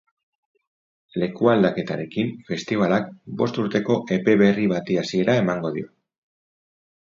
Lekualdaketarekin festibalak bost urteko epe berri bati hasiera emango dio.